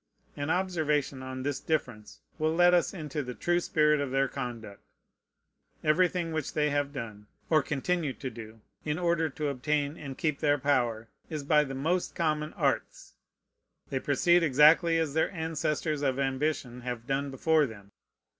An observation on this difference will let us into the true spirit of their conduct. Everything which they have done, or continue to do, in order to obtain and keep their power, is by the most common arts. They proceed exactly as their ancestors of ambition have done before them.